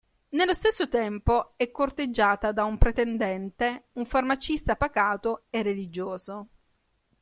Nello stesso tempo è corteggiata da un pretendente, un farmacista pacato e religioso.